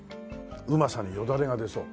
うまさによだれが出そう。